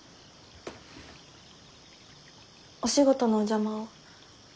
お仕事のお邪魔を。